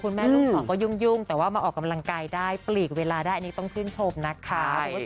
แม่ลูกสองก็ยุ่งแต่ว่ามาออกกำลังกายได้ปลีกเวลาได้อันนี้ต้องชื่นชมนะคะ